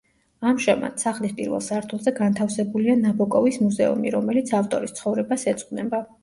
ამჟამად, სახლის პირველ სართულზე განთავსებულია ნაბოკოვის მუზეუმი, რომელიც ავტორის ცხოვრებას ეძღვნება.